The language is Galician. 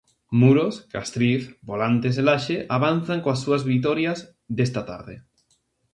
Muros, Castriz, Volantes e Laxe avanzan coas súas vitorias desta tarde.